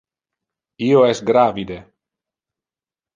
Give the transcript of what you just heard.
Io es gravide.